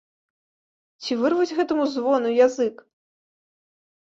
Ці вырвуць гэтаму звону язык.